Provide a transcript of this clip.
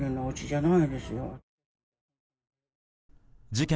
事件